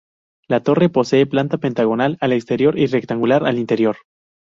La torre posee planta pentagonal al exterior y rectangular al interior.